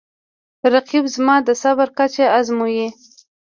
رقیب زما د صبر کچه ازموي